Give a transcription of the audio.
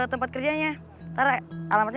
tempat kerjanya ntar alamatnya